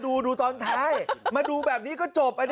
ตัปูนอตอะไรแบบนี้ใช่ไหม